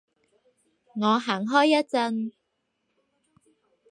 我行開一陣